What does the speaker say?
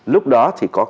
lúc đó thì có